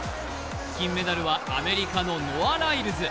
金メダルはアメリカのノア・ライルズ。